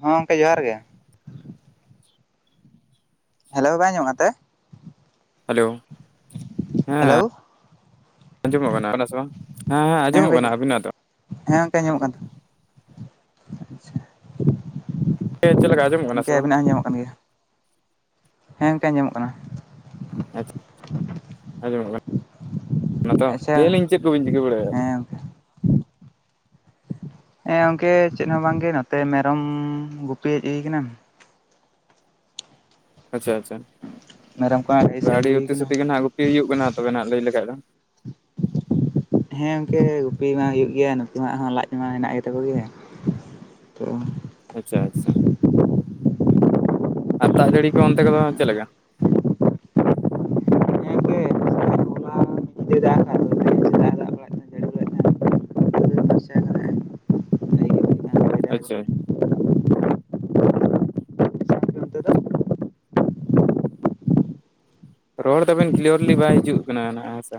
ᱦᱚᱸ ᱜᱚᱝᱠᱮ ᱡᱚᱦᱟᱨ ᱜᱮ᱾ ᱦᱮᱞᱚ ᱵᱟᱭ ᱟᱸᱡᱢᱚᱜᱼᱟ ᱠᱟᱱ ᱛᱮ? ᱦᱮᱞᱟ᱾ ᱦᱮᱞᱟᱣ᱾ ᱟᱸᱡᱚᱢᱚᱜ ᱠᱟᱱᱟ ᱥᱮ ᱵᱟᱝ? ᱦᱮᱸ ᱦᱮᱸ ᱟᱸᱡᱚᱢᱚᱜ ᱠᱟᱱᱟ ᱟᱵᱤᱱᱟᱜ ᱫᱚ᱾ ᱦᱮᱸ ᱜᱚᱢᱠᱮ ᱟᱧᱢᱚᱜ ᱠᱟᱱ ᱦᱮ ᱪᱮᱫ ᱞᱮᱠᱟ ᱟᱡᱚᱢ᱾ ᱜᱚᱢᱠᱮ ᱟᱵᱤᱱᱟᱜ ᱦᱚᱸ ᱟᱸᱡᱟᱢᱚᱜ ᱠᱟᱱ ᱜᱮᱭᱟ᱾ ᱦᱮᱸ ᱜᱚᱢᱠᱮ ᱟᱸᱡᱟᱢᱚᱜ ᱠᱟᱱᱟ᱾ ᱟᱪ ᱪᱷᱟ ᱟᱧ ᱡᱚᱢ ᱢᱟᱛᱚ ᱟᱪᱪᱷᱟ ᱞᱟᱹᱭ ᱞᱤᱧ ᱪᱮᱫ ᱠᱚᱵᱤᱧ ᱪᱤᱠᱟᱹ ᱵᱟᱲᱟᱭᱮᱫᱟ? ᱦᱮᱸ ᱜᱚᱝᱠᱮ ᱦᱮᱸ ᱜᱚᱝᱠᱮ ᱪᱮᱫ ᱦᱚᱸ ᱵᱟᱝ ᱜᱮ, ᱱᱚᱛᱮ ᱢᱮᱨᱚᱢ ᱜᱩᱯᱤᱭ ᱦᱮᱡ ᱦᱩᱭ ᱠᱟᱱᱟ᱾ ᱟᱪᱪᱷᱟ ᱟᱪᱪᱷᱟ᱾ ᱢᱮᱨᱚᱢ ᱠᱚ ᱱᱟᱜ ᱜᱟᱹᱭ ᱥᱮᱫ ᱟᱹᱰᱤ ᱟᱹᱜᱩ ᱦᱩᱭ ᱩᱛᱤ ᱠᱟᱱᱟ ᱥᱩᱛᱤ ᱜᱮ ᱱᱟᱦᱟᱜ ᱜᱩᱯᱤ ᱦᱩᱭᱩᱜ ᱠᱟᱱᱟ ᱛᱚᱵᱮ ᱱᱟᱦᱱᱟᱜ ᱞᱟᱹᱭ ᱞᱮᱠᱷᱟᱱ ᱫᱚ᱾ [unintelligible] ᱦᱮᱸ ᱜᱚᱢᱠᱮ ᱜᱩᱯᱤ ᱢᱟ ᱦᱩᱭᱩᱜ ᱜᱮᱭᱟ ᱱᱩᱠᱩ ᱢᱟ ᱦᱚᱸ ᱞᱟᱡ ᱢᱟ ᱦᱮᱱᱟᱜ ᱜᱮ ᱛᱟᱠᱚ ᱜᱮᱭᱟ᱾ ᱛᱚ ᱟᱪᱪᱷᱟ ᱟᱪᱪᱷᱟ᱾ ᱟᱨ ᱫᱟᱜ ᱡᱟᱹᱲᱤ ᱠᱚ ᱚᱱᱛᱮ ᱠᱚᱫᱚ ᱪᱮᱫᱞᱮ ᱞᱮᱠᱟ? ᱠᱷᱟᱞᱤ ᱫᱟᱜ ᱫᱟᱭ᱾ [unintelligible] ᱜᱮ ᱦᱩᱭ ᱠᱟᱱᱟ ᱦᱚᱭ ᱫᱟᱭ ᱟᱪᱪᱷᱟ᱾ ᱫᱚᱢᱮ᱾ ᱨᱚᱲ ᱛᱟᱵᱮᱱ ᱠᱞᱤᱭᱟᱨᱞᱤ ᱵᱟᱭ ᱦᱤᱡᱩᱜ ᱠᱟᱱᱟ ᱱᱟᱜ ᱦᱮᱸᱥᱮ᱾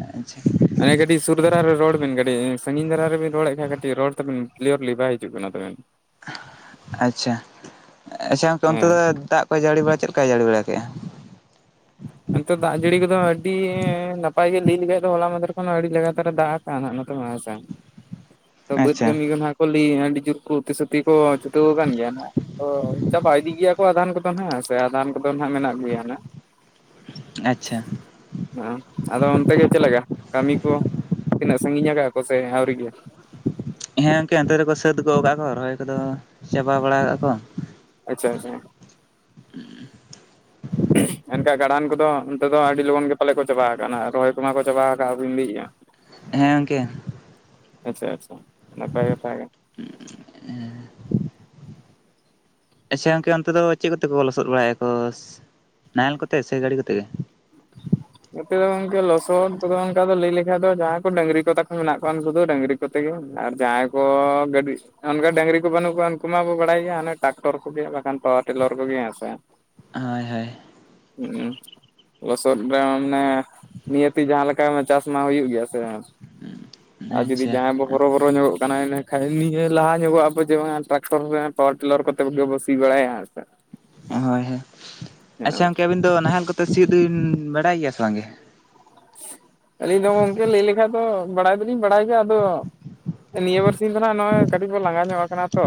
ᱟᱪᱪᱷᱟ᱾ ᱚᱱᱮ ᱠᱟᱹᱴᱤᱡ ᱥᱩᱨ ᱫᱷᱟᱨᱟᱨ ᱨᱮ ᱨᱚᱲ ᱵᱮᱱ ᱠᱟᱹᱴᱤᱡ ᱥᱟᱺᱜᱤᱧ ᱫᱷᱟᱨᱟ ᱨᱮᱵᱮᱱ ᱨᱚᱲᱮᱫ ᱠᱷᱟᱱ ᱠᱟᱹᱴᱤᱡ ᱨᱚᱲ ᱛᱟᱵᱮᱱ ᱠᱞᱤᱭᱟᱨᱞᱤ ᱵᱟᱭ ᱦᱤᱡᱩᱜ ᱠᱟᱱᱟ ᱛᱟᱵᱮᱱ᱾ [unintelligible] ᱟᱪᱪᱷᱟ᱾ ᱟᱪᱪᱷᱟ ᱜᱚᱝᱠᱮ ᱚᱱᱛᱮ ᱦᱮᱸ ᱫᱚ ᱫᱟᱜ ᱠᱚ ᱡᱟᱹᱲᱤ ᱵᱟᱲᱟ ᱪᱮᱫ ᱞᱮᱠᱟᱭ ᱡᱟᱹᱲᱤ ᱵᱟᱲᱟ ᱠᱮᱜᱼᱟ? ᱮᱱᱛᱮ ᱫᱟᱜ ᱡᱟᱹᱲᱤ ᱠᱚᱫᱚ ᱟᱹᱰᱤ ᱱᱟᱯᱟᱭ ᱜᱮ ᱞᱟᱹᱭ ᱞᱮᱠᱷᱟᱡ ᱫᱚ ᱦᱚᱞᱟ ᱢᱟᱫᱷᱮᱨ ᱠᱷᱚᱱ ᱟᱹᱰᱤ ᱞᱟᱜᱟ ᱛᱟᱨᱟ ᱫᱟᱜ ᱟᱠᱟᱫᱟ᱾ [unintelligible] ᱱᱚᱛᱮ ᱦᱚ ᱦᱮᱸ ᱥᱮ᱾ [inaudible] ᱵᱟᱹᱫᱽ ᱠᱟᱹᱢᱤ ᱫᱚ ᱦᱟᱜ ᱞᱤᱟᱹᱭ ᱟᱹᱰᱤ ᱡᱩᱨ ᱠᱚ ᱩᱛᱤ ᱥᱩᱛᱤ ᱠᱚ ᱪᱷᱩᱴᱟᱹᱣ ᱟᱠᱟᱱ ᱜᱮᱭᱟ ᱱᱟᱜ᱾ ᱚ ᱪᱟᱵᱟ ᱤᱫᱤ ᱜᱮᱭᱟ ᱠᱚ ᱟᱫᱷᱟᱱ ᱠᱚᱫᱚ ᱱᱟᱜ, ᱥᱮ ᱟᱫᱷᱟᱱ ᱠᱚᱫᱚ ᱱᱟᱜ ᱢᱮᱱᱟᱜ ᱜᱮᱭᱟ ᱱᱟᱜ᱾ ᱟᱪᱪᱷᱟ᱾ ᱟᱫᱚ ᱚᱱᱛᱮ ᱜᱮ ᱪᱮᱫ ᱞᱮᱠᱟ ᱠᱟᱹᱢᱤ ᱠᱚ? ᱛᱤᱱᱟᱹᱜ ᱥᱟᱺᱜᱤᱧ ᱟᱠᱟᱜᱼᱟ ᱠᱚ ᱥᱮ ᱟᱹᱣᱨᱤ ᱜᱮ? ᱦᱮᱸ ᱜᱚᱝᱠᱮ ᱚᱱᱛᱮ ᱨᱮᱠᱚ ᱥᱟᱹᱛ ᱜᱚᱫ ᱠᱟᱜ ᱠᱚ, ᱨᱚᱦᱚᱭ ᱠᱚᱫᱚ ᱪᱟᱵᱟ ᱵᱟᱲᱟ ᱠᱟᱜ ᱠᱚ᱾ ᱟᱪᱪᱷᱟ ᱟᱪᱪᱷᱟ᱾ ᱮᱱᱠᱷᱟᱱ ᱠᱟᱰᱷᱟᱱ ᱠᱚᱫᱚ ᱚᱱᱛᱮ ᱫᱚ ᱟᱹᱰᱤ ᱞᱚᱜᱚᱱ ᱜᱮ ᱯᱟᱞᱮ ᱪᱟᱵᱟ ᱟᱠᱟᱱᱟ? ᱨᱚᱦᱚᱭ ᱠᱚᱢᱟ ᱪᱟᱵᱟ ᱟᱠᱟᱫ ᱵᱤᱱ ᱞᱟᱹᱭᱮᱜᱼᱟ᱾ ᱦᱮᱸ ᱜᱚᱢᱠᱮ᱾ ᱟᱪᱪᱷᱟ ᱟᱪᱪᱷᱟ ᱱᱟᱯᱟᱭ ᱠᱟᱛᱷᱟ ᱜᱮ᱾ ᱮ ᱟᱪᱪᱷᱟ ᱜᱚᱝᱠᱮ ᱚᱱᱛᱮ ᱫᱚ ᱪᱮᱫ ᱠᱚᱛᱮ ᱠᱚ ᱞᱚᱥᱚᱫ ᱵᱟᱲᱟᱭᱟᱠᱚ ᱱᱟᱦᱮᱞ ᱠᱚᱛᱮ ᱥᱮ ᱜᱟᱹᱲᱤ ᱠᱚᱛᱮ ᱜᱮ? ᱱᱚᱛᱮ ᱫᱚ ᱜᱚᱝᱠᱮ ᱞᱚᱥᱚᱫ ᱠᱚᱫᱚ ᱚᱱᱠᱟ ᱞᱟᱹᱭ ᱞᱮᱠᱷᱟᱱ ᱫᱚ ᱡᱟᱦᱟᱸᱭ ᱠᱚ ᱰᱟᱹᱝᱜᱨᱤ ᱠᱚ ᱛᱟᱠᱚ ᱢᱮᱱᱟᱜ ᱠᱚᱣᱟ ᱩᱱᱠᱩ ᱫᱟ ᱰᱟᱹᱝᱜᱨᱤ ᱠᱚᱛᱮ ᱜᱮ ᱟᱨ ᱡᱟᱦᱟᱸᱭ ᱠᱚ ᱜᱟᱹᱰᱤ ᱚᱱᱠᱟ ᱰᱟᱹᱝᱨᱤ ᱠᱚ ᱵᱟᱹᱱᱩᱜ ᱠᱚᱣᱟ ᱩᱱᱠᱩ ᱢᱟ ᱵᱚ ᱵᱟᱲᱟᱭ ᱜᱮᱭᱟ ᱦᱟᱱᱮ ᱴᱨᱟᱠᱴᱚᱨ ᱠᱚᱜᱮ ᱵᱟᱠᱷᱟᱱ ᱯᱟᱣᱟᱨ ᱴᱤᱞᱟᱨ ᱠᱚᱜᱮ ᱦᱮᱸᱥᱮ᱾ ᱦᱳᱭ ᱦᱳᱭ᱾ ᱦᱩᱸᱜ-ᱩᱸ ᱞᱚᱥᱚᱫ ᱛᱟᱞᱦᱮ ᱢᱟᱱᱮ ᱱᱤᱭᱟᱹᱛᱤ ᱡᱟᱦᱟᱸ ᱞᱮᱠᱟᱭ ᱢᱮ ᱪᱟᱥ ᱢᱟ ᱦᱩᱭᱩᱜ ᱜᱮᱭᱟ ᱥᱮ᱾ ᱟᱨ ᱡᱩᱫᱤ ᱟᱪᱪᱷᱟ ᱡᱟᱦᱟᱸᱭ ᱵᱚ ᱦᱚᱨᱚᱵᱚᱨᱚ ᱧᱚᱜᱚᱜ ᱠᱟᱱᱟᱭ ᱤᱱᱟᱹᱠᱷᱟᱡ ᱱᱤ-ᱮ ᱞᱟᱦᱟ ᱧᱚᱜᱚᱜ ᱟᱵᱚ ᱡᱮ ᱵᱟᱝ ᱴᱨᱟᱠᱴᱚᱨ ᱨᱮ ᱯᱟᱣᱟᱨ ᱴᱤᱞᱟᱨ ᱠᱚᱛ ᱛᱮᱵᱟ ᱜᱮᱵᱚ ᱥᱤ ᱵᱟᱲᱟᱭᱟ ᱦᱮᱸ ᱥᱮ᱾ ᱦᱳᱭ ᱦᱳᱭ᱾ ᱟᱪᱪᱷᱟ ᱦᱮᱸ ᱜᱚᱢᱠᱮ ᱟᱹᱵᱤᱱ ᱫᱚ ᱱᱟᱦᱮᱞ ᱠᱚᱛᱮ ᱥᱤᱭᱳᱜ ᱫᱚᱵᱤᱱ ᱵᱟᱲᱟᱭ ᱜᱮᱭᱟ ᱵᱟᱝ ᱜᱮ᱾ ᱟᱹᱞᱤᱧ ᱫᱚ ᱜᱚᱝᱠᱮ ᱞᱟᱹᱭ ᱞᱮᱠᱷᱟᱡ ᱫᱚ ᱵᱟᱲᱟᱭ ᱫᱚᱞᱤᱧ ᱵᱟᱲᱟᱭ ᱜᱮᱭᱟ ᱟᱫᱚ ᱱᱤᱭᱟᱹ ᱵᱟᱨᱥᱤᱧ ᱫᱚ ᱱᱟᱦᱜ ᱱᱚᱜᱼᱚᱭ ᱠᱟᱹᱴᱤᱡ ᱵᱚ ᱞᱟᱸᱜᱟ ᱧᱚᱜ ᱟᱠᱟᱱᱟ ᱛᱚ᱾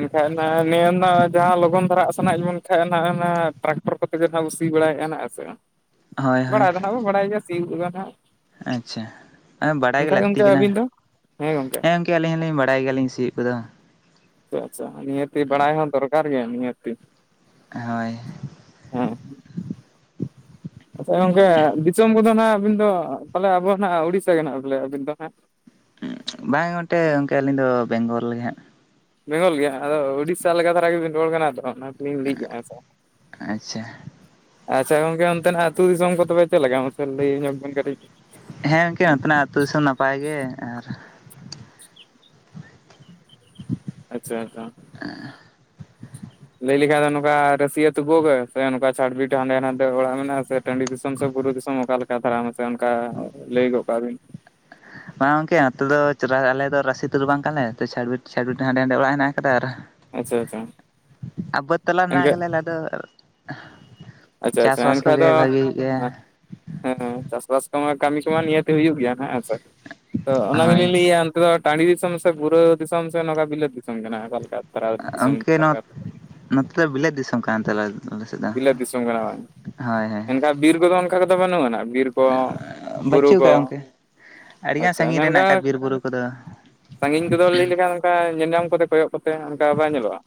ᱮᱱᱠᱷᱟᱡ ᱚᱱᱟ ᱱᱤᱭᱟᱹ ᱨᱮᱱᱟᱜ ᱡᱟᱦᱟᱸ ᱞᱚᱜᱚᱱ ᱫᱷᱟᱨᱟᱜ ᱥᱟᱱᱟᱭᱮᱫ ᱵᱚᱱ ᱠᱷᱟᱡ ᱱᱟᱦᱜ ᱚᱱᱟ ᱴᱨᱟᱠᱴᱚᱨ ᱠᱚᱛᱮᱜᱮ ᱱᱟᱜ ᱵᱚ ᱥᱤ ᱵᱟᱲᱟᱭᱮᱫᱼᱟ ᱱᱟᱜ ᱦᱮᱸ ᱥᱮ ᱵᱟᱝ᱾ ᱦᱳᱭ᱾ ᱦᱳᱭ ᱵᱟᱲᱟᱭ ᱫᱚ ᱱᱟᱦᱜ ᱵᱚ ᱵᱟᱲᱟᱭ ᱜᱮᱭᱟ ᱥᱤᱭᱳᱜ ᱠᱚᱜᱮ ᱱᱟᱦᱜ᱾ ᱟᱪᱪᱷᱟ ᱮ ᱵᱟᱰᱟᱭ ᱜᱮ ᱞᱟᱹᱠᱛᱤ ᱜᱚᱢᱠᱮ ᱠᱟᱱᱟ᱾ ᱟᱹᱵᱤᱱ ᱦᱮᱸ ᱫᱚ ᱦᱮᱸ ᱜᱚᱢᱠᱮ ᱜᱚᱝᱠᱮ ᱜᱚᱝᱠᱮ ᱟᱞᱤᱧ ᱦᱚᱸᱞᱤᱧ ᱵᱟᱲᱟᱭ ᱜᱮᱭᱟ ᱞᱤᱧ ᱥᱤᱳᱜ ᱠᱚᱫᱚ᱾ ᱟᱪᱪᱷᱟ ᱟᱪᱪᱷᱟ᱾ ᱱᱤᱦᱟᱹᱛᱤ ᱵᱟᱲᱟᱭ ᱦᱚᱸ ᱫᱚᱨᱠᱟᱨ ᱜᱮᱭᱟ ᱱᱤᱦᱟᱹᱛᱤ᱾ ᱦᱳᱭ᱾ ᱦᱮᱸ᱾ ᱟᱪᱪᱷᱟ ᱜᱚᱝᱠᱮ ᱫᱤᱥᱚᱢ ᱠᱚᱫᱚ ᱱᱟᱦᱟᱸᱜ ᱟᱹᱵᱤᱱ ᱫᱚ ᱯᱟᱞᱮ ᱟᱵᱚ ᱱᱦᱟᱸᱜ ᱩᱲᱤᱥᱥᱟ ᱜᱮ ᱱᱟᱦᱟᱸᱜ ᱵᱚᱞᱮ ᱟᱹᱵᱤᱱ ᱫᱚ ᱦᱟᱸᱜ᱾ ᱵᱟᱝ ᱚᱱᱛᱮ ᱜᱚᱝᱠᱮ ᱟᱹᱞᱤᱧ ᱫᱚ ᱵᱮᱝᱜᱚᱞ ᱨᱮ ᱦᱟᱸᱜ᱾ ᱵᱮᱝᱜᱚᱞ ᱜᱮᱭᱟ ᱟᱫᱚ ᱩᱲᱤᱥᱟ ᱞᱮᱠᱟ ᱫᱷᱟᱨᱟ ᱜᱮᱵᱤᱱ ᱨᱚᱲ ᱠᱟᱱᱟ ᱛᱚ ᱚᱱᱟ ᱛᱮᱞᱤᱧ ᱞᱟᱹᱭ ᱮᱫᱼᱟ ᱦᱮᱸ ᱥᱮ᱾ ᱟᱪᱪᱷᱟ ᱟᱪᱪᱷᱟ ᱜᱚᱝᱠᱮ ᱚᱱᱛᱮᱱᱟᱜ ᱟᱹᱛᱩ ᱫᱤᱥᱚᱢ ᱠᱚ ᱛᱚᱵᱮ ᱪᱮᱫ ᱞᱮᱠᱟ ᱢᱟᱥᱮ ᱞᱟᱹᱭᱟᱹ ᱧᱚᱜ ᱵᱮᱱ ᱠᱟᱹᱴᱤᱡ? ᱦᱮᱸ ᱜᱚᱝᱠᱮ ᱱᱚᱛᱮᱱᱟᱜ ᱟᱹᱛᱩ ᱫᱤᱥᱚᱢ ᱱᱟᱯᱟᱭ ᱜᱮ ᱟᱨ [inaudible] ᱟᱪᱪᱷᱟ ᱟᱪᱪᱷᱟ᱾ [unintelligible] ᱞᱟᱹᱭ ᱞᱮᱠᱷᱟᱡ ᱫᱚ ᱱᱚᱝᱠᱟ ᱨᱟᱹᱥᱤ ᱟᱛᱩ ᱠᱚᱜᱮ ᱥᱮ ᱱᱚᱝᱠᱟ ᱪᱷᱟᱴᱵᱤᱴ ᱦᱟᱸᱰᱮ ᱱᱟᱰᱮ ᱚᱲᱟᱜ ᱢᱮᱱᱟᱜᱼᱟ ᱥᱮ ᱴᱟᱺᱰᱤ ᱫᱤᱥᱚᱢ ᱥᱮ ᱵᱩᱨᱩ ᱫᱤᱥᱚᱢ ᱚᱠᱟᱮ ᱞᱮᱠᱟ ᱫᱷᱟᱨᱟ ᱢᱟᱥᱮ ᱚᱱᱠᱟ ᱞᱟᱹᱭ ᱜᱚᱫ ᱠᱟᱜ ᱵᱤᱱ᱾ [inaudible] ᱵᱟᱝ ᱜᱚᱝᱠᱮ ᱱᱚᱛᱮ ᱫᱚ ᱪᱚᱨᱟ ᱟᱞᱮ ᱫᱚ ᱨᱟᱹᱥᱤ ᱟᱹᱛᱩ ᱫᱚ ᱵᱟᱝ ᱠᱟᱱᱟᱞᱮ, ᱱᱚᱛᱮ ᱪᱷᱟᱰ-ᱵᱤᱴ ᱪᱷᱟᱰ-ᱵᱤᱴ ᱦᱟᱸᱰᱮ ᱱᱟᱸᱰᱮ ᱚᱲᱟᱜ ᱦᱮᱱᱟᱜ ᱟᱠᱟᱫᱟ ᱟᱨ ᱟᱪᱪᱷᱟ ᱟᱪᱪᱷᱟ ᱟ ᱵᱟᱹᱫ ᱛᱟᱞᱟ ᱢᱮᱱᱟᱜ ᱟᱠᱟᱫ ᱮᱱᱠᱷᱟᱡ ᱞᱮ ᱟᱞᱮ ᱫᱚ᱾ ᱟᱪᱪᱷᱟ ᱟᱪᱪᱷᱟ ᱪᱟᱥᱵᱟᱥ ᱮᱱᱠᱷᱟᱡ ᱠᱚᱜᱮ ᱫᱚ ᱵᱷᱟᱜᱤ ᱜᱮᱭᱟ ᱦᱮᱸ ᱪᱟᱥᱵᱟᱥ ᱠᱚᱢᱟ ᱠᱟᱹᱢᱤ ᱠᱚᱢᱟ ᱱᱤᱦᱟᱹᱛᱤ ᱦᱩᱭᱩᱜ ᱜᱮᱭᱟ ᱱᱟᱦᱟᱜ ᱦᱮᱸᱥᱮ᱾ ᱛᱚ ᱚᱱᱟ ᱦᱳᱭ ᱜᱮᱞᱤᱧ ᱞᱟᱹᱭᱟ ᱛᱮ ᱫᱚ ᱴᱟᱺᱰᱤ ᱫᱤᱥᱚᱢ ᱥᱮ ᱯᱩᱨᱟᱹ ᱫᱤᱥᱚᱢ ᱥᱮ ᱱᱚᱝᱠᱟ ᱵᱤᱞᱟᱹᱛ ᱫᱤᱥᱚᱢ ᱠᱟᱱᱟ ᱚᱠᱟ ᱞᱮᱠᱟ? ᱫᱷᱟᱨᱟ ᱫᱤᱥᱚᱢ ᱚᱝᱠᱮ ᱱᱚᱶᱟ ᱟᱯᱮ ᱟᱯᱮ ᱱᱚᱛᱮ ᱫᱚ ᱵᱤᱞᱟᱹᱛ ᱫᱤᱥᱟᱹᱢ ᱠᱟᱱ ᱛᱟᱞᱮ ᱟᱞᱮ ᱫᱚ᱾ ᱥᱮᱫ ᱵᱤᱞᱟᱹᱛ ᱫᱤᱥᱚᱢ ᱠᱟᱱᱟ ᱦᱳᱭ ᱦᱳᱭ ᱮᱱᱠᱷᱟᱡ ᱵᱤᱨ ᱠᱚᱫᱚ ᱚᱱᱠᱟ ᱠᱚᱫᱚ ᱵᱟᱹᱱᱩᱜ ᱟᱱᱟᱜ᱾ ᱵᱤᱨ ᱠᱚ ᱵᱩᱨᱩ ᱵᱟᱹᱪᱩᱜ ᱠᱚ᱾ ᱟᱠᱟᱫ ᱜᱚᱝᱠᱮ ᱟᱹᱰᱤᱜᱟᱱ ᱟᱪᱪᱷᱟ ᱥᱟᱺᱜᱤᱧ ᱨᱮ ᱦᱮᱱᱟᱜ ᱟᱠᱟᱫ ᱢᱮᱱᱠᱟᱷᱟᱡ ᱵᱤᱨ ᱵᱩᱨᱩ ᱠᱚᱫᱚ ᱥᱟᱺᱜᱤᱧ ᱠᱚᱫᱚ ᱞᱟᱹᱭ ᱞᱮᱠᱷᱟᱱ ᱚᱱᱠᱟ ᱧᱮᱞ ᱧᱟᱢ ᱠᱚᱛᱮ ᱠᱚᱭᱚᱜ ᱠᱚᱛᱮ ᱦᱟᱸᱜ ᱚᱱᱠᱟ ᱵᱟᱭ ᱧᱮᱞᱚᱜᱼᱟ᱾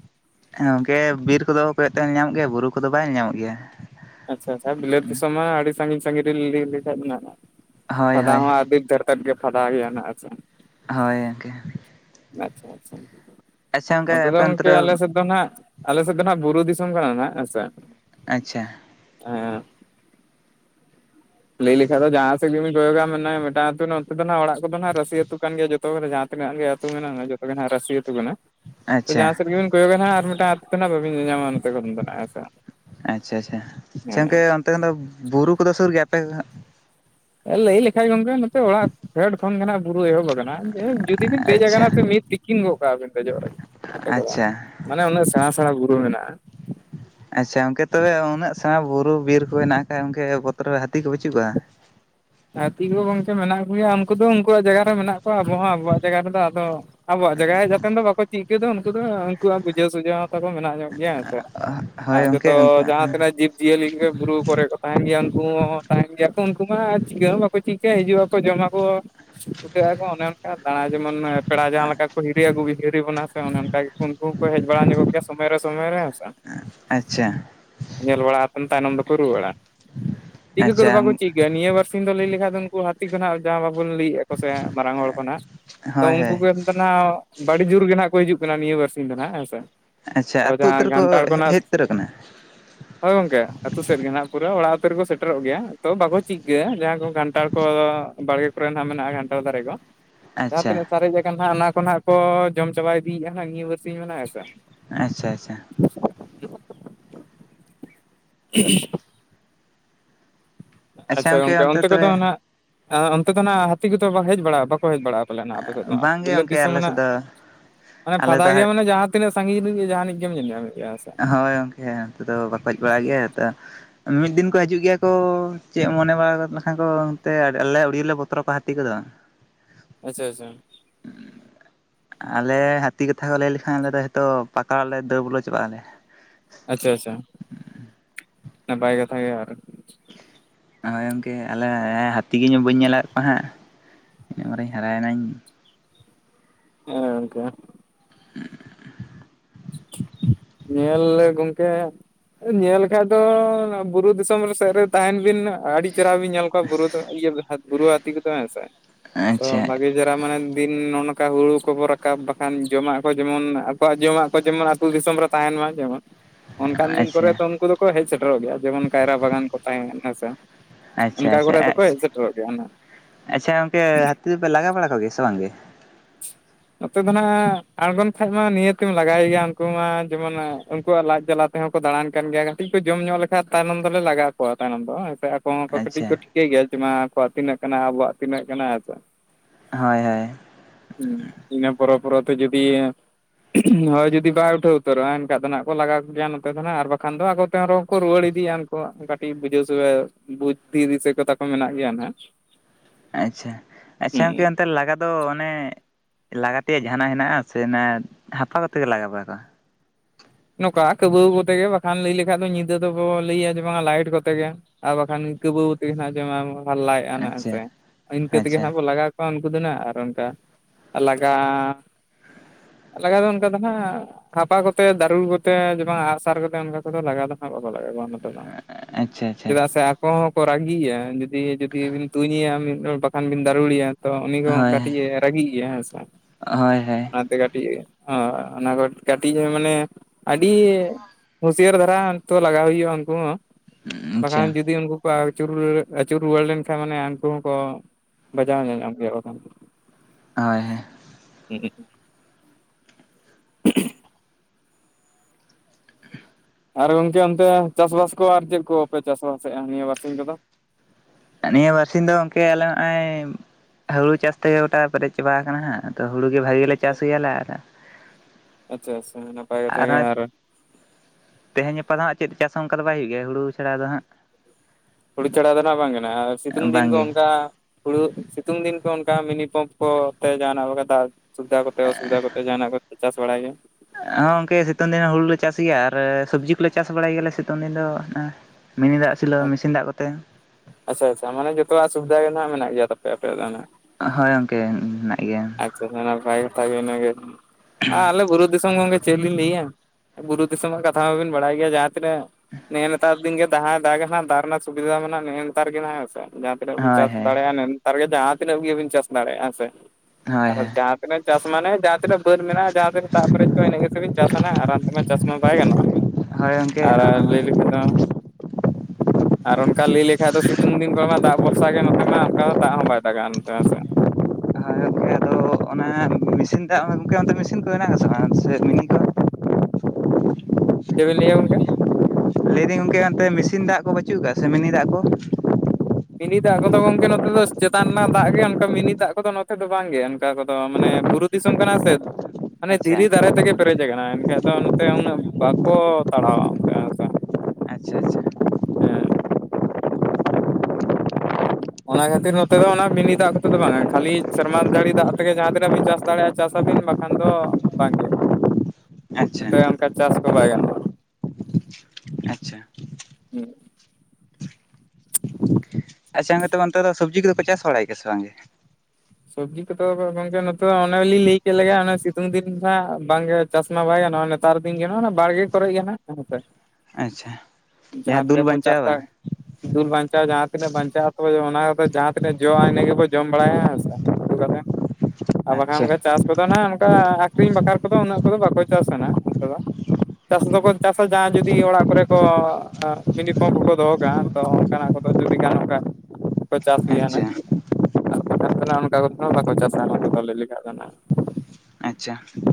ᱦᱮᱸ ᱜᱚᱝᱠᱮ ᱵᱤᱨ ᱠᱚᱫᱚ ᱠᱚᱭᱚᱜ ᱛᱮ ᱧᱮᱞ ᱧᱟᱢᱚᱜ ᱜᱮᱭᱟ, ᱵᱩᱨᱩ ᱠᱚᱫᱚ ᱵᱟᱭ ᱣᱮᱞ ᱧᱟᱢᱚᱜ ᱜᱮᱭᱟ᱾ ᱟᱪᱪᱷᱟ ᱟᱪᱪᱷᱟ ᱵᱤᱞᱟᱹᱛ ᱫᱤᱥᱚᱢ ᱢᱟ ᱟᱹᱰᱤ ᱥᱟᱺᱜᱤᱧ ᱥᱟᱺᱜᱤᱧ ᱨᱤᱞ ᱞᱤᱭ ᱞᱮᱠᱷᱟᱡ ᱫᱚᱱᱥᱦᱟᱜ ᱦᱳᱭ ᱯᱷᱟᱫᱟ ᱦᱳᱭ ᱦᱚᱸ ᱟᱹᱰᱤ ᱩᱛᱟᱹᱨ᱾ ᱛᱮᱫ ᱜᱮ ᱯᱷᱟᱫᱟᱣ ᱦᱩᱭᱩᱜ-ᱟ ᱱᱟᱦᱟᱜ ᱟᱨ ᱪᱮᱫ᱾ ᱦᱳᱭ ᱜᱚᱝᱠᱮ᱾ ᱟᱪᱶᱷᱟ ᱟᱪᱪᱷᱟ ᱱᱚᱛᱮ ᱟᱪᱪᱷᱟ ᱫᱚ᱾ᱟᱛᱩ ᱫᱚ ᱟᱯᱮ ᱚᱱᱛᱮ ᱜᱚᱝᱠᱮ ᱨᱮ ᱟᱞᱮ ᱥᱮᱫ ᱫᱚ ᱱᱟᱦᱟᱜ ᱟᱞᱮ ᱥᱮᱫ ᱫᱚ ᱱᱟᱦᱜ ᱵᱩᱨᱩ ᱫᱤᱥᱚᱢ ᱠᱟᱱᱟ ᱱᱟᱜ ᱦᱮᱸᱥᱮ᱾ ᱟᱪᱪᱷᱟ᱾ ᱮᱸᱻ ᱞᱟᱹᱭ ᱞᱮᱠᱷᱷᱟᱡ ᱫᱚ ᱡᱟᱦᱟᱸ ᱥᱮᱫ ᱜᱮᱢ ᱠᱚᱭᱳᱜᱟ ᱢᱮᱱᱟ ᱢᱤᱫᱴᱟᱝ ᱟᱹᱛᱩ ᱱᱚᱛᱮ ᱫᱚᱦᱜ ᱚᱲᱟᱜ ᱠᱚᱫᱚᱦᱱᱟᱜ ᱨᱟᱹᱥᱤ ᱟᱹᱛᱩ ᱠᱟᱱ ᱜᱮᱭᱟ ᱡᱚᱛᱚ ᱠᱚ ᱛᱤᱱᱟᱹᱜ ᱜᱮ ᱟᱹᱛᱩ ᱢᱮᱱᱟᱜᱼᱟ ᱡᱚᱛᱚ ᱜᱮ ᱱᱟᱦᱟᱜ ᱨᱟᱹᱥᱤ ᱟᱹᱛᱩ ᱠᱟᱱᱟ᱾ ᱛᱚ ᱟᱪᱪᱷᱟ ᱡᱟᱦᱟᱸ ᱥᱮᱫ ᱜᱮᱵᱤᱱ ᱠᱚᱭᱚᱜ ᱦᱟᱸᱜ ᱟᱨ ᱢᱤᱫᱴᱟᱝ ᱟᱛᱩ ᱫᱚ ᱦᱟᱸᱜ ᱵᱟᱵᱤᱱ ᱧᱮᱧᱟᱢᱟ᱾ ᱱᱚᱛᱮ ᱠᱷᱚᱱ ᱫᱚ ᱱᱟᱜ ᱦᱮᱸᱥᱮ ᱟᱪᱪᱷᱟ ᱟᱪᱪᱷᱟ, ᱟᱪᱪᱷᱟ ᱦᱮᱸ ᱚᱝᱠᱮ ᱚᱱᱛᱮ ᱠᱷᱚᱱ ᱫᱚ ᱵᱩᱨᱩ ᱠᱚᱫᱚ ᱥᱩᱨ ᱜᱮᱭᱟ ᱟᱯᱮ ᱞᱟᱹᱭ ᱞᱮᱠᱷᱟᱡ ᱜᱚᱝᱠᱮ ᱱᱚᱛᱮ ᱚᱲᱟᱜ ᱯᱷᱮᱰ ᱠᱷᱳᱱ ᱜᱮ ᱱᱟᱦ ᱵᱩᱨᱩ ᱮᱦᱚᱵ ᱠᱟᱱᱟ᱾ ᱚᱱᱟ ᱡᱩᱫᱤ ᱵᱤᱱ ᱫᱮᱡ ᱟᱪᱪᱷᱟ ᱟᱠᱟᱱᱟ ᱥᱮ ᱢᱤᱫ ᱛᱤᱠᱤᱱ ᱜᱚᱫ ᱠᱟᱜᱼᱟ ᱵᱤᱱ ᱫᱮᱡᱚᱜ ᱨᱮᱜ ᱱᱚᱛᱮ ᱠᱚᱫᱚ ᱟᱪᱪᱷᱟ ᱢᱟᱱᱮ ᱚᱱᱟᱹᱜ ᱥᱮᱬᱟ ᱥᱮᱬᱟ ᱜᱩᱨᱩ ᱢᱮᱱᱟᱜᱼᱟ᱾ ᱟᱪᱪᱷᱟ ᱚᱝᱠᱮ ᱛᱚᱵᱮ ᱩᱱᱟᱹᱜ ᱥᱮᱬᱟ ᱵᱩᱨᱩ ᱵᱤᱨ ᱠᱚ ᱦᱱᱟᱜ-ᱟ ᱚᱢᱠᱮ ᱵᱚᱛᱚᱨᱚᱵ ᱦᱟᱹᱛᱤ ᱠᱚ ᱵᱟᱹᱪᱩᱜ ᱠᱚᱼᱟ? ᱦᱟᱹᱛᱤ ᱠᱚ ᱜᱚᱝᱠᱮ ᱢᱮᱱᱟᱜ ᱠᱚᱜᱮᱭᱟ, ᱩᱱᱠᱩ ᱫᱚ ᱩᱱᱠᱩᱣᱟᱜ ᱡᱟᱭᱜᱟ ᱨᱮ ᱢᱮᱱᱟᱜ ᱠᱚᱣᱟ ᱟᱵᱚ ᱦᱚᱸ ᱟᱵᱚᱣᱟᱜ ᱡᱟᱭᱜᱟ ᱨᱮᱫᱚ ᱟᱫᱚ ᱟᱵᱚᱣᱟᱜ ᱡᱟᱜᱟᱹ ᱦᱮᱜ ᱫᱚ ᱵᱟᱠᱚ ᱪᱤᱜ ᱠᱟᱹ ᱫᱚ ᱩᱱᱠᱩ ᱫᱚ ᱵᱩᱡᱷᱟᱹᱣ ᱥᱩᱡᱷᱟᱹᱣ ᱛᱟᱠᱚ ᱢᱮᱱᱟᱜ ᱧᱚᱜ ᱜᱮᱭᱟ ᱦᱮᱸ ᱥᱮ᱾ ᱟᱨ ᱦᱳᱭ ᱜᱚᱝᱠᱮ ᱡᱚᱛᱚ ᱡᱟᱦᱟᱸ ᱩᱱᱠᱩᱣᱟᱜ ᱛᱤᱱᱟᱹᱜ ᱡᱤᱵᱼᱼ ᱡᱤᱭᱟᱹᱞᱤ ᱠᱚ ᱵᱩᱨᱩ ᱠᱚᱨᱮ ᱠᱚ ᱛᱟᱦᱮᱱ ᱜᱮᱭᱟ ᱩᱱᱠᱩ ᱦᱚᱸ ᱛᱟᱦᱮᱱ ᱜᱮᱭᱟ ᱠᱚ ᱩᱱᱠᱩ ᱢᱟ ᱪᱤᱠᱟᱹ ᱦᱚ ᱵᱟᱠᱩ ᱪᱤᱠᱟᱹᱭᱟ ᱦᱤᱡᱩᱜ ᱟᱠᱚ ᱡᱚᱢ ᱟᱠᱚ ᱟᱹᱠᱚ ᱚᱱᱮ ᱚᱱᱠᱟ ᱫᱟᱬᱟ ᱡᱮᱢᱚᱱ ᱯᱮᱲᱟ ᱡᱟᱦᱟᱸ ᱞᱮᱠᱟ ᱠᱚ ᱦᱤᱨᱤ ᱟᱹᱜᱩ ᱦᱤᱨᱤ ᱵᱚᱱᱟ ᱥᱮ ᱚᱱᱮ ᱚᱱᱠᱟ ᱜᱮᱠᱚ ᱩᱱᱠᱩ ᱠᱚ ᱦᱮᱡ ᱵᱟᱲᱟ ᱧᱚᱜᱚᱫ ᱜᱮᱭᱟ ᱥᱚᱢᱚᱭ ᱨᱮ ᱥᱚᱢᱚᱭ ᱨᱮ ᱦᱮᱸ ᱥᱮ᱾ ᱟᱪᱪᱷᱟ᱾ ᱧᱮᱞ ᱵᱟᱲᱟᱣ ᱛᱟᱭᱱᱚᱢ ᱫᱚᱠᱚ ᱨᱩᱣᱟᱹᱲᱟ᱾ ᱪᱤᱠᱟᱹ ᱠᱚᱫᱚ ᱟᱪᱪᱷᱟ ᱵᱟᱠᱚ ᱪᱤᱼᱼ ᱱᱤᱭᱟᱹ ᱵᱟᱨᱥᱤᱧ ᱫᱚ ᱞᱟᱹᱭ ᱞᱮᱠᱷᱟᱡ ᱫᱚ ᱩᱱᱩᱠᱩ ᱦᱟᱼᱼ ᱛᱤᱡᱚ ᱠᱷᱚᱱᱟᱜ ᱡᱟᱦᱟᱸ ᱵᱟᱵᱚᱱ ᱞᱟᱹᱭᱮᱫᱼᱟ ᱠᱚ ᱥᱮ ᱢᱟᱨᱟᱝ ᱦᱚᱲ ᱠᱷᱚᱱᱟᱜ ᱛᱚ ᱦᱳᱭ ᱩᱱᱠᱩ ᱦᱳᱭ ᱜᱮ ᱵᱟᱹᱰᱤ ᱡᱳᱨ ᱜᱮ ᱱᱟᱦᱟᱜ ᱠᱚ ᱦᱤᱡᱩᱜ ᱠᱟᱱᱟ ᱱᱤᱭᱟᱹ ᱵᱟᱨᱥᱤᱧ ᱫᱚ ᱦᱮᱸᱥᱮ᱾ ᱟᱪᱪᱷᱟ ᱛᱚ ᱟᱹᱛᱩ ᱩᱛᱟᱹᱨ ᱡᱟᱦᱟᱸ ᱠᱚ ᱜᱷᱟᱱᱴᱟᱲ ᱱᱟᱜ ᱦᱮᱡ ᱩᱛᱟᱹᱨᱚ ᱠᱟᱱᱟ᱾ ᱦᱳᱭ ᱜᱚᱢᱠᱮ, ᱟᱹᱛᱩ ᱥᱮᱫ ᱨᱮᱜᱮ ᱱᱟᱦᱜ ᱯᱩᱨᱟᱹ ᱚᱲᱟᱜ ᱟᱹᱛᱩ ᱨᱮᱠᱚ ᱥᱮᱴᱮᱨᱚᱜ ᱜᱮᱭᱟ ᱛᱚ ᱵᱟᱠᱚ ᱪᱤᱠᱟᱹ ᱜᱮᱭᱟ ᱡᱟᱦᱟᱸ ᱠᱚ ᱜᱷᱟᱱᱴᱷᱟᱲ ᱠᱚᱫᱚ ᱵᱟᱲᱜᱮ ᱠᱚᱨᱮ ᱱᱟᱦᱟᱜ ᱢᱮᱱᱟᱜ-ᱟ ᱜᱷᱟᱱᱴᱟᱲᱲ ᱫᱟᱨᱮ ᱠᱚ ᱡᱟᱦᱟᱸ ᱟᱪᱪᱷᱟ ᱛᱤᱱᱟᱹᱜ ᱥᱟᱨᱮᱡ ᱟᱠᱟᱱ ᱦᱟᱸᱜ ᱚᱱᱟ ᱠᱚ ᱱᱟᱦᱟᱜ ᱠᱚᱻ ᱡᱚᱢ ᱪᱟᱵᱟ ᱤᱫᱤᱭᱮᱫ-ᱟ ᱦᱟᱸᱜ ᱱᱤᱭᱟᱹ ᱵᱟᱨᱥᱤᱧ ᱠᱟᱱᱟ ᱦᱮᱸᱥᱮ᱾ ᱟᱪᱪᱷᱟ ᱟᱪᱪᱷᱟ᱾ [inaudible] [inaudible] ᱟᱪᱪᱷᱟ ᱜᱚᱢᱠᱮ ᱚᱱᱛᱮ ᱠᱚᱫᱚ ᱱᱟᱜ, ᱚᱱᱛᱮ ᱫᱚ ᱱᱟᱜ ᱦᱟᱹᱛᱤ ᱠᱚᱫᱚ ᱦᱮᱡ ᱵᱟᱲᱟᱜ-ᱟ ᱵᱟᱠᱚ ᱦᱮᱡ ᱵᱟᱲᱟᱜ-ᱟ? ᱛᱟᱦᱚᱞᱮ ᱚᱱᱟ ᱟᱯᱮ ᱥᱮᱫ ᱫᱚ ᱵᱟᱝᱜᱮ ᱵᱤᱞᱟᱹᱛ ᱜᱚᱝᱠᱮ ᱫᱤᱥᱚᱢ ᱟᱞᱮ ᱦᱮᱱᱟᱜ ᱥᱮᱫ ᱫᱚ ᱢᱟᱱᱮ ᱟᱞᱮ ᱯᱷᱟᱫᱟ ᱫᱚ ᱜᱮᱭᱟ ᱢᱟᱱᱮ ᱡᱟᱦᱟᱸ ᱛᱤᱱᱟᱹᱜ ᱥᱟᱺᱜᱤᱧ ᱨᱮᱱ ᱜᱮ ᱡᱟᱦᱟᱱᱤᱡ ᱜᱮᱢ ᱧᱮᱞᱧᱟᱢᱮ ᱜᱮᱭᱟ ᱥᱮ᱾ ᱦᱳᱭ ᱚᱢᱠᱮ ᱱᱚᱛᱮ ᱫᱚ ᱵᱟᱠᱚ ᱦᱮᱡ ᱵᱟᱲᱟᱜ ᱜᱮᱭᱟ ᱛᱚ ᱢᱤᱫ ᱫᱤᱱ ᱠᱚ ᱦᱤᱡᱩᱜ ᱜᱮᱭᱟ ᱠᱚᱻ ᱪᱮᱫ ᱢᱚᱱᱮ ᱵᱟᱲᱟ ᱜᱚᱫ ᱞᱮᱠᱷᱟᱱ ᱠᱚ ᱚᱱᱛᱮ ᱟᱞᱮ ᱩᱲᱤᱭᱚᱨ ᱞᱮ ᱵᱚᱛᱚᱨ ᱟᱠᱚᱣᱟ ᱦᱟᱹᱛᱤ ᱠᱚᱫᱚ᱾ ᱟᱪᱪᱷᱟ ᱟᱪᱪᱷᱟ᱾ [inaudible] ᱟᱞᱮᱻ ᱦᱟᱹᱛᱤ ᱠᱟᱛᱷᱟ ᱠᱚ ᱞᱟᱹᱭ ᱞᱮᱠᱷᱟᱱ ᱟᱞᱮ ᱫᱚ ᱡᱷᱚᱛᱚ ᱯᱟᱠᱟ ᱚᱲᱟᱜ ᱞᱮ ᱫᱟᱹᱲ ᱵᱚᱞᱚ ᱪᱟᱵᱟᱜ ᱟᱞᱮ᱾ ᱟᱪᱪᱷᱟ ᱟᱪᱪᱷᱟ ᱱᱟᱯᱟᱭ ᱠᱟᱛᱷᱟ ᱜᱮ ᱟᱨ ᱦᱳᱭ ᱜᱚᱢᱠᱮ ᱟᱞᱮᱻ ᱦᱟᱹᱛᱤᱜᱮ ᱤᱧ ᱦᱚᱸ ᱵᱟᱹᱧ ᱧᱮᱞ ᱟᱠᱟᱫ ᱠᱚᱣᱟ ᱦᱟᱸᱜ ᱤᱱᱟᱹᱜ ᱢᱟᱨᱟᱝ ᱤᱧ ᱦᱟᱨᱟᱭᱮᱱᱟ ᱤᱧ᱾ ᱦᱮᱸ ᱜᱚᱢᱠᱮ᱾ [inaudible] [inaudible] ᱧᱮᱞᱻ ᱞᱮ ᱜᱚᱢᱠᱮ ᱧᱮᱞ ᱞᱮᱠᱷᱟᱡ ᱫᱚᱻ ᱚᱱᱟ ᱵᱩᱨᱩ ᱫᱤᱥᱚᱢ ᱨᱮ ᱥᱮᱫ ᱨᱮ ᱛᱟᱦᱮᱸᱱ ᱵᱤᱱ ᱱᱟᱜ᱾ ᱟᱹᱰᱤ ᱪᱮᱦᱨᱟ ᱵᱤᱱ ᱧᱮᱞ ᱠᱚᱣᱟ ᱵᱩᱨᱩ ᱫᱚ ᱤᱭᱟᱹ ᱵᱩᱨᱩ ᱦᱟᱹᱛᱤ ᱠᱚᱫᱚ ᱦᱮᱸᱥᱮ᱾ ᱛᱚ ᱟᱪᱪᱷᱟ ᱵᱷᱟᱜᱮ ᱡᱟ ᱢᱟᱱᱮ ᱫᱤᱱ ᱱᱚᱜ-ᱚ ᱱᱚᱝᱠᱟ ᱦᱩᱲᱩ ᱠᱚᱵᱚ ᱨᱟᱠᱟᱵ ᱵᱟᱠᱷᱟᱱ ᱡᱚᱢᱟᱜ ᱠᱚ ᱡᱮᱢᱚᱱ ᱟᱠᱚᱣᱟᱜ ᱡᱚᱢᱟᱜ ᱠᱚ ᱡᱮᱢᱚᱱ ᱟᱹᱛᱩ ᱫᱤᱥᱚᱢ ᱨᱮ ᱛᱟᱦᱮᱸᱱ ᱢᱟ ᱡᱮᱢᱚᱱ ᱚᱱᱠᱟᱱ ᱫᱤᱱ ᱠᱚᱨᱮ ᱟᱪᱪᱷᱟ ᱫᱚ ᱩᱱᱠᱩ ᱫᱚ ᱠᱚ ᱦᱮᱡ ᱥᱮᱴᱮᱨᱚᱜ ᱜᱮᱭᱟ ᱡᱮᱢᱚᱱ ᱠᱟᱭᱨᱟ ᱵᱟᱜᱟᱱ ᱠᱚ ᱛᱟᱦᱮᱸᱱ ᱦᱮᱸᱥᱮ ᱟᱪᱪᱷᱟ ᱚᱱᱠᱟ ᱟᱪᱪᱷᱟ ᱠᱚᱨᱮ ᱫᱚᱠᱚ ᱟᱪᱷᱟ ᱦᱮᱡ ᱥᱮᱴᱮᱨᱚᱜ ᱜᱮᱭᱟ ᱟᱪᱪᱷᱟ ᱜᱚᱢᱠᱮ ᱦᱟᱹᱛᱤ ᱫᱚᱯᱮ ᱞᱟᱜᱟ ᱵᱟᱲᱟ ᱠᱚᱜᱮᱭᱟ ᱥᱮ ᱵᱟᱝ ᱜᱮ [unintelligible] ᱱᱚᱛᱮ ᱫᱚ ᱱᱟᱦᱟᱜ ᱟᱬᱜᱚᱱ ᱠᱷᱟᱡ ᱢᱟ ᱱᱤᱭᱟᱹᱛᱮᱢ ᱞᱟᱜᱟᱭᱮ ᱜᱮᱭᱟ ᱩᱱᱠᱩ ᱫᱚ ᱢᱟ ᱡᱮᱢᱚᱱ ᱩᱱᱠᱩᱣᱟᱜ ᱞᱟᱡ ᱡᱟᱞᱟ ᱛᱮ ᱱᱚᱛᱮ ᱦᱚᱸ ᱠᱚ ᱫᱟᱬᱟᱱ ᱠᱟᱱ ᱜᱮᱭᱟ ᱠᱟᱹᱴᱤᱡ ᱠᱚ ᱡᱚᱢ ᱧᱚᱜ ᱞᱮᱠᱷᱟᱡ ᱛᱟᱭᱱᱚᱢ ᱫᱚᱞᱮ ᱞᱟᱜᱟ ᱠᱚᱣᱟ ᱛᱟᱭᱱᱚᱢ ᱫᱚ ᱦᱮᱸ ᱥᱮ ᱟᱠᱚ ᱦᱚᱸ ᱠᱚ ᱠᱟᱹᱴᱤᱡ ᱟᱪᱪᱷᱟ ᱠᱚ ᱴᱷᱤᱠᱟᱹᱭ ᱜᱮᱭᱟ ᱡᱮ ᱢᱟ ᱟᱠᱚᱣᱟᱜ ᱛᱤᱱᱟᱹᱜ ᱠᱟᱱᱟ ᱟᱵᱚᱣᱟᱜ ᱛᱤᱱᱟᱹᱜ ᱠᱟᱱᱟ ᱟᱨ ᱠᱚᱣᱟᱜ ᱦᱳᱭ ᱦᱳᱭ ᱤᱱᱟᱹ ᱯᱚᱨᱮ ᱯᱚᱨᱮᱛᱮ ᱡᱩᱫᱤ ᱦᱳᱭ ᱡᱩᱫᱤ ᱵᱟᱭ ᱩᱴᱷᱟᱹᱣ ᱩᱛᱟᱹᱨᱚᱜ-ᱟ ᱮᱱᱠᱷᱟᱱ ᱫᱚ ᱦᱟᱸᱜ ᱠᱚ ᱞᱟᱜᱟ ᱠᱚ ᱜᱮᱭᱟ ᱱᱚᱛᱮ ᱫᱚ ᱱᱟᱦᱱᱟᱜ ᱟᱨ ᱵᱟᱠᱷᱟᱱ ᱫᱚ ᱟᱠᱚ ᱛᱮᱦᱚᱸᱠᱚ ᱨᱩᱣᱟᱹᱲ ᱤᱫᱤᱜ-ᱟ ᱟᱠᱚᱣᱟᱜ ᱠᱟᱹᱴᱤᱡ ᱵᱩᱡᱷᱟᱹᱣ ᱥᱮ ᱵᱩᱫᱫᱷᱤ-ᱫᱤᱥᱟᱹ ᱠᱚ ᱛᱟᱠᱟ ᱢᱮᱱᱟᱜ ᱜᱮᱭᱟ ᱱᱟᱜ ᱟᱪᱪᱷᱟ ᱟᱪᱪᱷᱟ ᱜᱚᱢᱠᱮ ᱚᱱᱛᱮ ᱛᱟᱦᱚᱞᱮ ᱞᱟᱜᱟ ᱫᱚ ᱚᱱᱮ ᱞᱟᱜᱟ ᱛᱮᱭᱟᱜ ᱡᱟᱦᱟᱱᱟᱜ ᱦᱮᱱᱟᱜ-ᱟ ᱥᱮ ᱚᱱᱮ ᱦᱟᱯᱟ ᱠᱚᱛᱮ ᱠᱚ ᱞᱟᱜᱟ ᱵᱟᱲᱟ ᱠᱚᱣᱟ ᱱᱚᱝᱠᱟ ᱠᱟᱹᱵᱟᱹᱣ ᱠᱚᱛᱮ ᱜᱮ ᱵᱟᱠᱷᱟᱱ ᱞᱟᱹᱭ ᱞᱮᱠᱷᱟᱡ ᱫᱚ ᱧᱤᱫᱟᱹ ᱫᱚᱵᱚ ᱞᱟᱹᱭᱟ ᱡᱮ ᱵᱟᱝᱟ ᱞᱟᱭᱤᱴ ᱠᱚᱛᱮ ᱜᱮ ᱟᱨ ᱵᱟᱠᱷᱟᱱ ᱠᱟᱹᱵᱟᱹᱣ ᱛᱮᱜᱮ ᱦᱟᱸᱜ ᱡᱮ [inaudible] ᱟᱪᱪᱷᱟ ᱦᱮᱸᱥᱮ ᱤᱱᱠᱟᱹ ᱛᱮᱜᱮ ᱟᱪᱪᱷᱟ ᱦᱟᱸᱜ ᱵᱚᱱ ᱞᱟᱜᱟ ᱛᱚ ᱩᱱᱠᱩ ᱫᱚ ᱱᱟᱜ ᱟᱨᱦᱚᱸ ᱚᱱᱠᱟ ᱞᱟᱜᱟ ᱞᱟᱜᱟ ᱫᱚ ᱚᱱᱠᱟ ᱫᱚ ᱱᱟᱜ ᱦᱟᱯᱟ ᱠᱚᱛᱮ [unintelligible] ᱠᱚᱛᱮ ᱡᱮᱢᱚᱱ ᱟᱜᱥᱟᱨ ᱠᱚᱛᱮ ᱚᱱᱠᱟ ᱠᱚᱫᱚ ᱞᱟᱜᱟ ᱫᱚ ᱦᱟᱸᱜ ᱵᱟᱠᱚ ᱞᱟᱜᱟ ᱠᱚᱣᱟ ᱱᱚᱛᱮ ᱫᱚ ᱟᱪᱪᱷᱟ ᱟᱪᱪᱷᱟ ᱪᱮᱫᱟᱜ ᱥᱮ ᱟᱨ ᱟᱠᱚ ᱦᱚᱸ ᱠᱚ ᱨᱟᱹᱜᱤᱜ-ᱟ ᱡᱩᱫᱤ ᱡᱩᱫᱤ ᱵᱤᱱ ᱛᱩᱧᱮᱭᱟ ᱢᱤᱫ ᱦᱚᱲ ᱵᱟᱠᱷᱟᱱ ᱵᱤᱱ ᱫᱟᱞ ᱨᱩᱣᱟᱹᱲᱮᱭᱟ ᱛᱚ ᱩᱱᱤ ᱦᱚᱸ ᱦᱳᱭ ᱠᱟᱹᱴᱤᱡ-ᱮ ᱨᱟᱹᱜᱤᱜ ᱜᱮᱭᱟ ᱦᱮᱸ ᱥᱮ ᱦᱳᱭ ᱦᱳᱭ ᱚᱱᱟᱛᱮ ᱛᱮ ᱠᱟᱹᱴᱤᱡ-ᱮ ᱚ ᱚᱱᱟ ᱠᱚ ᱠᱟᱹᱴᱤᱡ-ᱮ ᱢᱟᱱᱮ ᱟᱹᱰᱤ ᱦᱩᱥᱭᱟᱹᱨ ᱫᱷᱟᱨᱟ ᱛᱚ ᱞᱟᱜᱟᱣ ᱦᱩᱭᱩᱜ-ᱟ ᱩᱱᱠᱩ ᱦᱚᱸ ᱵᱟᱠᱷᱟᱱ ᱟᱪᱪᱷᱟ ᱡᱩᱫᱤ ᱩᱱᱠᱩ ᱠᱚ ᱟᱹᱪᱩᱨ ᱨᱩᱣᱟᱹᱲ ᱟᱹᱪᱩᱨ ᱨᱩᱣᱟᱹᱲ ᱞᱮᱱᱠᱷᱟᱱ ᱢᱟᱱᱮ ᱩᱱᱠᱩ ᱦᱚᱸᱠᱚ ᱵᱟᱡᱟᱣ ᱧᱮᱞ ᱧᱟᱢ ᱠᱮᱭᱟ ᱵᱟᱠᱷᱟᱱ ᱫᱚ ᱦᱳᱭ ᱦᱳᱭ ᱦᱩᱸ ᱦᱩᱸ ᱟᱨ ᱜᱚᱝᱠᱮ ᱚᱱᱛᱮ ᱪᱟᱥᱵᱟᱥ ᱠᱚ ᱟᱨ ᱪᱮᱫ ᱠᱚᱯᱮ ᱪᱟᱥ ᱵᱟᱥᱮᱫᱼᱟ ᱱᱤᱭᱟᱹ ᱵᱟᱨᱥᱤᱧ ᱠᱚᱫᱚ ᱱᱤᱭᱟᱹ ᱵᱟᱨᱥᱤᱧ ᱫᱚ ᱜᱚᱝᱠᱮ ᱟᱞᱮ ᱱᱚᱜᱼᱚᱭ ᱦᱩᱲᱩ ᱪᱟᱥ ᱛᱮᱜᱮ ᱜᱚᱴᱟ ᱯᱮᱡ ᱪᱟᱵᱟ ᱟᱠᱟᱱᱟᱟᱱᱟ ᱦᱟᱸᱜ ᱛᱚ ᱦᱩ ᱜᱮ ᱵᱷᱟᱜᱤ ᱪᱟᱥ ᱦᱩᱭᱭᱟᱞᱮ ᱟᱨ ᱟᱪᱪᱷᱟ ᱟᱪᱪᱷᱟ ᱱᱟᱯᱟᱭ ᱠᱟᱛᱷᱟ ᱜᱮ ᱟᱨᱦᱚᱸ ᱟᱨ ᱛᱮᱦᱮᱧᱯᱟ ᱦᱟᱸᱜ ᱪᱮᱫ ᱪᱟᱥ ᱚᱱᱠᱟ ᱫᱚ ᱵ ᱦᱩᱭᱩᱜ ᱜᱮ ᱦᱩ ᱪᱷᱟᱲᱟ ᱫᱚ ᱦᱟᱸᱜ ᱦᱩᱲᱩ ᱪᱷᱟᱲᱟᱟᱣ ᱫᱚ ᱱᱟᱜ ᱵᱟᱝ ᱠᱟᱱᱟ ᱟᱨ ᱥᱤᱛᱩᱝ ᱫᱤᱱ ᱠᱚ ᱵᱟᱝᱜᱮ ᱚᱱᱠᱟ ᱦᱩᱲᱩ ᱥᱤᱛᱩᱝ ᱫᱤᱱ ᱠᱚ ᱚᱱᱠᱟ ᱢᱤᱱᱤ ᱯᱚᱢᱯ ᱠᱚᱛᱮ ᱡᱟᱦᱟᱱᱟᱜ ᱚ ᱠᱟᱛ ᱥᱩᱵᱤᱫᱷᱟ ᱠᱚᱛᱮ ᱚᱥᱩᱵᱤᱫᱟ ᱠᱚᱛᱮ ᱡᱟᱦᱟᱱᱟᱜ ᱠᱚᱛᱮ ᱪᱟᱥ ᱵᱟᱲᱟᱭ ᱜᱮ ᱦᱚᱸᱮ ᱜᱚᱝᱠᱮ ᱥᱤᱛᱩᱝ ᱫᱤᱱ ᱦᱩᱲᱩᱞ ᱞᱮ ᱜᱮᱭᱟ ᱟᱨ ᱥᱚᱵᱽᱡᱤ ᱠᱚᱞᱮ ᱪᱟᱥ ᱵᱟᱲᱟᱭ ᱥᱤᱛᱩᱝ ᱫᱤᱱ ᱫᱚ ᱢᱤᱱᱤ ᱫᱟᱜ ᱥᱤᱥᱤᱞᱚᱜ ᱢᱥᱤᱱ ᱫᱟᱜ ᱠᱚᱛᱮ ᱟᱪᱪᱷᱟ ᱟᱪᱪᱷᱟᱟᱱᱮ ᱡᱚᱛᱚᱣᱟᱜ ᱥᱩᱵᱤᱫᱷᱟ ᱜᱮ ᱱᱟᱜ ᱢᱮᱱᱟᱜ ᱜᱮᱭᱟᱯᱮ ᱟᱯᱮᱭᱟᱜ ᱱᱟᱜ ᱦᱳᱭ ᱜᱚᱝᱠᱮ ᱦᱮᱱᱟᱜ ᱜᱮᱭᱟ ᱟᱪᱪᱷᱟ ᱱᱟᱯᱟᱭ ᱠᱟᱛᱷᱟ ᱜᱮ ᱤᱱᱟᱹᱜᱮ ᱟᱨ ᱟᱞᱮ ᱵᱩᱨᱩ ᱫᱤᱥᱚᱢ ᱜᱚᱝᱠᱮ ᱪᱮᱫ ᱞᱤᱧ ᱞᱟᱹᱭᱟ ᱵᱩᱨᱩ ᱫᱤᱥᱚᱢᱟᱜ ᱠᱟᱛᱷᱟ ᱦᱚᱸᱵᱤᱱ ᱵᱟᱲᱟᱭ ᱜᱮᱭᱟ ᱡᱟᱦᱟᱸ ᱛᱤᱱᱟᱹᱜ ᱱᱤᱭᱟᱹ ᱱᱮᱛᱟᱨ ᱫᱤᱱ ᱜᱮ ᱫᱟᱭ ᱫᱟᱜᱟ ᱦᱟᱜ ᱫᱟᱜ ᱨᱮᱱᱟᱜ ᱥᱩᱵᱤᱫᱟ ᱢᱮᱱᱟᱜᱼᱟ ᱱᱤᱭᱟᱹ ᱱᱮᱛᱟᱨ ᱜᱮᱮ ᱦᱥᱮ ᱛᱤᱱᱟᱹᱜ ᱵᱤᱱ ᱦᱳᱭ ᱪᱟᱥ ᱫᱟᱲᱮᱭᱟᱜᱼᱟ ᱱᱮᱛᱟᱨ ᱜᱮ ᱡᱟᱦᱟᱸ ᱛᱤᱱᱟᱹᱜ ᱜᱮᱵᱤᱱ ᱪᱟᱥ ᱫᱟᱲᱮᱭᱟᱜᱼᱟᱮᱸ ᱥᱮ ᱦᱳᱭ ᱟᱨ ᱡᱟᱦᱟᱸ ᱛᱱᱟᱹᱜ ᱪᱟᱥ ᱢᱟᱱᱮ ᱡᱟᱦᱟᱸ ᱛᱤᱱᱟᱹᱜ ᱵᱟᱹᱫᱽ ᱢᱮᱱᱟᱜᱼᱟ ᱡᱟᱦᱟᱸ ᱛᱤᱱᱟᱹᱜ ᱫᱟᱜ ᱯᱨᱮ ᱠᱚ ᱤᱱᱟᱹ ᱜᱮᱤᱥᱮᱤᱧ ᱪᱟᱥᱟᱱᱟ ᱟᱨ ᱪᱟᱥ ᱢᱟ ᱵᱟᱭ ᱜᱟᱱᱚᱜᱼᱟ ᱦᱳᱭ ᱜᱚᱝᱠᱮ ᱟᱨ ᱚᱱᱟ ᱞᱟᱹᱭ ᱢᱟ ᱞᱮᱠᱷᱟᱱ ᱫᱚ [inaudible] ᱟᱨ ᱚᱱᱠᱟ ᱞᱟᱹᱭ ᱞᱮᱠᱷᱟᱡ ᱫᱚ ᱥᱤᱛᱩᱝ ᱫᱤᱱ ᱠᱚᱨᱮᱢᱟ ᱫᱟᱜ ᱵᱷᱚᱨᱥᱟ ᱜᱮ ᱱᱚᱛᱮ ᱢᱟ ᱚᱱᱠᱟ ᱫᱚ ᱫᱟᱜ ᱦᱚᱸ ᱵᱟᱭ ᱫᱟᱜᱟ ᱮᱱᱛᱮ [unintelligible] ᱦᱳᱭ ᱜᱚᱝᱠᱮ ᱟᱫᱚ ᱚᱱᱟ ᱢᱮᱥᱤᱱ ᱫᱟᱜ ᱜᱚᱢᱠᱮ ᱚᱱᱛᱮ ᱢᱮᱥᱤᱱ ᱠᱚ ᱦᱮᱱᱟᱜ-ᱟ ᱥᱮ ᱵᱟᱝ ᱥᱮ ᱢᱤᱱᱤ ᱠᱚ? [inaudible] ᱪᱮᱫ ᱵᱤᱱ ᱞᱟᱹᱭᱮᱫ-ᱟ ᱜᱚᱝᱠᱮ? ᱞᱟᱹᱭ ᱮᱫᱟᱹᱧ ᱜᱚᱢᱠᱮ ᱚᱱᱛᱮ ᱢᱮᱥᱤᱱ ᱫᱟᱜ ᱠᱚ ᱵᱟᱹᱪᱩᱜ ᱟᱠᱟᱫ-ᱟ ᱥᱮ ᱢᱤᱱᱤ ᱫᱟᱜ ᱠᱚ? ᱢᱤᱱᱤ ᱫᱟᱜ ᱠᱚᱫᱚ ᱜᱚᱝᱠᱮ ᱱᱚᱛᱮ ᱫᱚ ᱪᱮᱛᱟᱱ ᱨᱮᱱᱟᱜ ᱫᱟᱜ ᱜᱮ ᱚᱱᱠᱟ ᱢᱤᱱᱤ ᱫᱟᱜ ᱠᱚᱫᱚ ᱱᱚᱛᱮ ᱫᱚ ᱵᱟᱝ ᱜᱮ ᱚᱱᱠᱟ ᱠᱚᱫᱚ ᱢᱟᱱᱮ ᱵᱩᱨᱩ ᱫᱤᱥᱚᱢ ᱠᱟᱱᱟ ᱥᱮ ᱾ ᱦᱟᱱᱮ ᱟᱪᱪᱷᱟ ᱫᱷᱤᱨᱤ ᱫᱟᱨᱮ ᱛᱮᱜᱮ ᱯᱮᱨᱮᱡ ᱟᱠᱟᱱᱟ ᱮᱱᱠᱷᱟᱱ ᱫᱚ ᱱᱚᱛᱮ ᱩᱱᱟᱹᱜ ᱵᱟᱠᱚ ᱛᱟᱲᱟᱣᱟ ᱚᱱᱛᱮ ᱦᱮᱸ ᱥᱮ ᱾ ᱟᱪᱪᱷᱟ ᱟᱪᱪᱷᱟ ᱾ ᱦᱮᱸ ᱾ ᱚᱱᱟ ᱠᱷᱟᱹᱛᱤᱨ ᱱᱚᱛᱮ ᱫᱚ ᱚᱱᱟ ᱢᱤᱱᱤ ᱫᱟᱜ ᱠᱚᱛᱮ ᱫᱚ ᱵᱟᱝᱟ, ᱠᱷᱟᱹᱞᱤ ᱥᱮᱨᱢᱟ ᱡᱟᱹᱲᱤ ᱫᱟᱜ ᱛᱮᱜᱮ ᱡᱟᱦᱟᱸ ᱛᱤᱱᱟᱹᱜ ᱵᱤᱱ ᱪᱟᱥ ᱫᱟᱲᱮᱭᱟᱜ-ᱟ ᱪᱟᱥ ᱟᱵᱤᱱ ᱵᱟ ᱠᱷᱟᱱ ᱫᱚ ᱵᱟᱝ ᱜᱮ ᱾ [inaudible] ᱟᱪᱪᱷᱟ ᱱᱚᱛᱮ ᱚᱱᱠᱟ ᱪᱟᱥ ᱠᱚ ᱵᱟᱭ ᱜᱟᱱᱚᱜ-ᱟ ᱾ ᱟᱪᱪᱷᱟ ᱾ ᱟᱪᱪᱷᱟ ᱜᱚᱝᱠᱮ ᱛᱚᱵᱮ ᱚᱱᱛᱮ ᱫᱚ ᱥᱚᱵᱽᱡᱤ ᱠᱚᱫᱚ ᱠᱚ ᱪᱟᱥ ᱵᱟᱲᱟᱭ ᱜᱮᱭᱟ ᱥᱮ ᱵᱟᱝᱜᱮ? ᱥᱚᱵᱡᱤ ᱠᱚᱫᱚ ᱜᱚᱝᱠᱮ ᱱᱚᱛᱚ ᱫᱚ ᱚᱱᱮ ᱞᱤᱧ ᱞᱟᱹᱭᱠᱮᱫ ᱞᱮᱠᱟ ᱚᱱᱮ ᱥᱤ ᱛᱩᱝ ᱫᱤᱱ ᱦᱟᱜ ᱵᱟᱝᱜᱮ ᱪᱟᱥ ᱢᱟ ᱵᱟᱭ ᱜᱟᱱᱚᱜ-ᱟ ᱱᱮᱛᱟᱨ ᱫᱤᱱ ᱜᱮ ᱱᱚᱜ-ᱚᱱᱟ ᱵᱟᱲᱜᱮ ᱠᱚᱨᱮ ᱜᱮ ᱱᱟᱜ ᱦᱮᱸᱥᱮ ᱟᱪᱪᱷᱟ ᱾ [inaudible] ᱡᱟᱦᱟᱸ ᱫᱩᱞ ᱛᱤᱱᱟᱹᱜ ᱵᱚ ᱵᱟᱧᱪᱟᱣ ᱪᱟᱥᱟ ᱵᱟᱝ ᱫᱩᱞ ᱵᱟᱧᱪᱟᱣ ᱡᱟᱦᱟᱸ ᱛᱤᱱᱟᱹᱜ ᱵᱟᱧᱪᱟᱜ-ᱟ ᱛᱚ ᱚᱱᱟᱫᱚ ᱡᱟᱦᱟᱸ ᱛᱤᱱᱟᱹᱜ ᱡᱚᱜ-ᱟ ᱤᱱᱟᱹ ᱜᱮᱵᱚ ᱡᱚᱢ ᱵᱟᱲᱟᱭᱟ ᱦᱮᱸ ᱥᱮ ᱾ ᱩᱛᱩ ᱠᱟᱛᱮᱫ [inaudible] ᱟᱨ ᱵᱟᱠᱷᱟᱱ ᱟᱪᱪᱷᱟ ᱜᱮ ᱪᱟᱥ ᱠᱚᱫᱚ ᱱᱟᱜ ᱚᱱᱠᱟ ᱟᱠᱷᱨᱤᱧ ᱵᱟᱠᱷᱨᱟ ᱠᱚᱫᱚ ᱩᱱᱟᱹᱜ ᱠᱚᱫᱚ ᱵᱟᱠᱚ ᱪᱟᱥᱟ ᱱᱟᱜ ᱱᱚᱛᱮ ᱫᱚ ᱾ ᱪᱟᱥ ᱫᱚᱠᱚ ᱪᱟᱥᱟ ᱡᱟᱦᱟᱸ ᱡᱩᱫᱤ ᱚᱲᱟᱜ ᱠᱚᱨᱮ ᱠᱚ ᱢᱤᱱᱤ ᱯᱟᱢᱯ ᱠᱚᱠᱚ ᱫᱚᱦᱚ ᱠᱟᱜ-ᱟ ᱾ ᱟᱫᱚ ᱚᱱᱠᱟᱱᱟᱜ ᱠᱚᱫᱚ ᱡᱩᱫᱤ ᱜᱟᱱᱚᱜ ᱠᱷᱟᱱ ᱠᱚ ᱪᱟᱥ ᱜᱮᱭᱟ ᱱᱟᱜ ᱟᱪᱪᱷᱟ [inaudible] ᱟᱨ ᱵᱟᱠᱷᱟᱱ ᱚᱱᱠᱟ ᱠᱚᱫᱚ ᱵᱟᱠᱚ ᱪᱟᱥᱟ ᱱᱚᱛᱮ ᱫᱚ ᱞᱟᱹᱭ ᱞᱮᱷᱟᱱ ᱫᱚ ᱱᱟᱦᱟᱜ ᱾ ᱟᱪᱪᱷᱟ ᱾